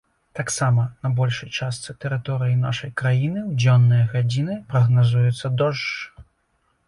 Таксама на большай частцы тэрыторыі нашай краіны ў дзённыя гадзіны прагназуецца дождж.